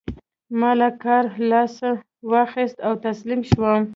ما له کاره لاس واخيست او تسليم شوم.